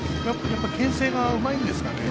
やっぱりけん制がうまいんですかね。